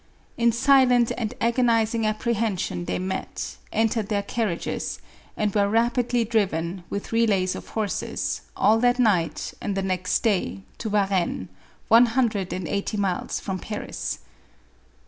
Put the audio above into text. In silent and ago nizing apprehension they met, entered their carriages, and were rapidly driven, with relays of horses, all that night and the next day, to Varennes, one hundred and eighty miles from Paris.